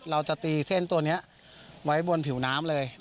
เราจะตีเส้นตัวนี้ไว้บนผิวน้ำเลย